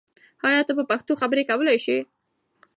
آیا ته په پښتو خبرې کولای سې؟